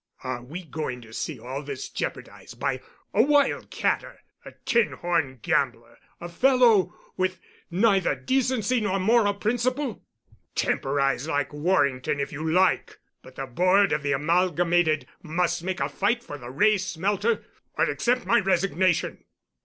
Are we going to see all this jeopardized by a wild catter, a tin horn gambler, a fellow with neither decency nor moral principle? Temporize like Warrington if you like, but the Board of the Amalgamated must make a fight for the Wray smelter—or accept my resignation."